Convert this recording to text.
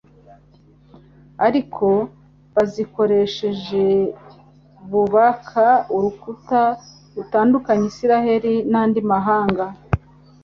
Ariko bazikoresheje bubaka urukuta rutandukanya Abisiraeli n'andi mahanga.